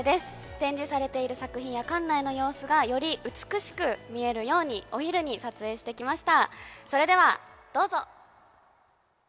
展示されている作品や館内の様子がより美しく見えるようにお昼に撮影してきました。